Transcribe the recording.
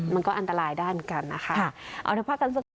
มันก็อันตรายได้เหมือนกันนะคะ